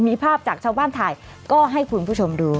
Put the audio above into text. มีภาพจากชาวบ้านถ่ายก็ให้คุณผู้ชมดู